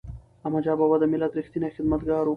احمدشاه بابا د ملت ریښتینی خدمتګار و.